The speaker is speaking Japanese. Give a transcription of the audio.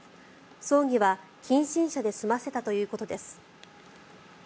葬儀は近親者で済ませたということです。